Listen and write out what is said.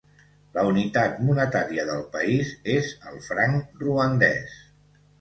La unitat monetària del país és el franc ruandès.